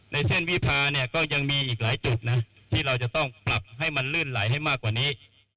ในเส้นวิพาเนี่ยก็ยังมีอีกหลายจุดนะที่เราจะต้องปรับให้มันลื่นไหลให้มากกว่านี้